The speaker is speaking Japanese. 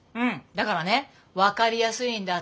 だからね分かりやすいんだって。